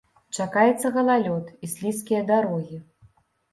Чакаецца галалёд і слізкія дарогі.